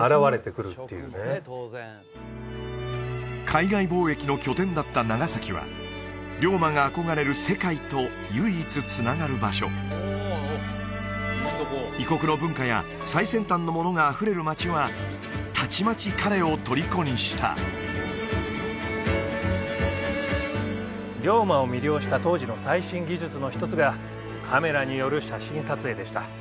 海外貿易の拠点だった長崎は龍馬が憧れる「世界」と唯一つながる場所異国の文化や最先端のものがあふれる町はたちまち彼をとりこにした龍馬を魅了した当時の最新技術の一つがカメラによる写真撮影でした